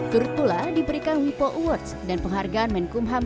turut pula diberikan wipo awards dan penghargaan menkumham